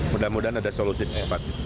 mudah mudahan ada solusi secepat